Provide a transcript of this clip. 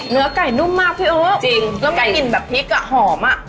เนื้อไก่นุ่มมากพี่เอ้า